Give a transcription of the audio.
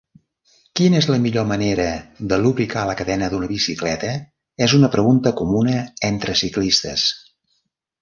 Quina és millor manera de lubricar la cadena d'una bicicleta és una pregunta comuna entre ciclistes.